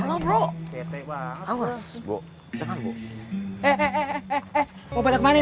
awas bro jangan bro